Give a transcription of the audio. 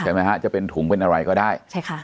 ไหมฮะจะเป็นถุงเป็นอะไรก็ได้ใช่ค่ะ